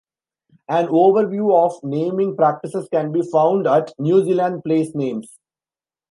An overview of naming practices can be found at New Zealand place names.